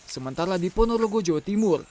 sementara di ponorogo jawa timur